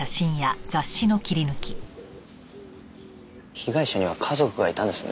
被害者には家族がいたんですね。